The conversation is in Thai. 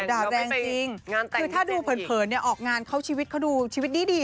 ด่าแรงจริงคือถ้าดูเผินเนี่ยออกงานเขาชีวิตเขาดูชีวิตดี